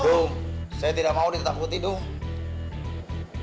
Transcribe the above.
dung saya tidak mau ditakuti dung